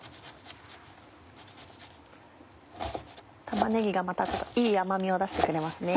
玉ねぎがまたちょっといい甘みを出してくれますね。